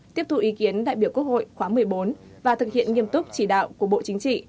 tiếp tục ý kiến đại biểu quốc hội khóa một mươi bốn và thực hiện nghiêm túc chỉ đạo của bộ chính trị